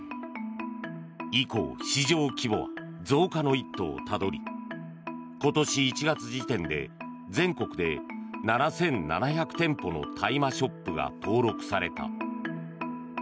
以降、市場規模は増加の一途をたどり今年１月時点で全国で７７００店舗の大麻ショップが登録された。